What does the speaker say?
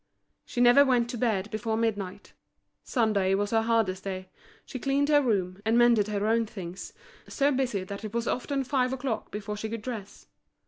She never went to bed before midnight. Sunday was her hardest day: she cleaned her room, and mended her own things, so busy that it was often five o'clock before she could dress.